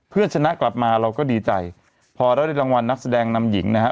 เพื่อชนะกลับมาเราก็ดีใจพอเราได้รางวัลนักแสดงนำหญิงนะฮะ